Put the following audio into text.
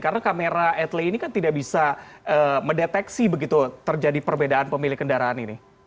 karena kamera adley ini kan tidak bisa mendeteksi begitu terjadi perbedaan pemilik kendaraan ini